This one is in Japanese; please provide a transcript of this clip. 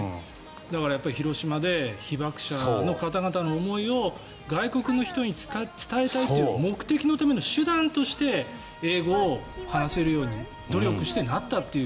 広島で被爆者の方々の思いを外国の人に伝えたいという目的のための手段として英語を話せるように努力して、なったという。